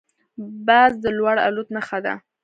باز د لوړ الوت نښه ده